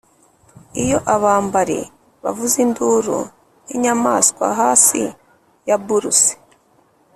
iyo abambari bavuza induru nk'inyamaswa hasi ya bourse,